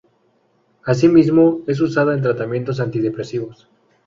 Asimismo es usada en tratamientos antidepresivos.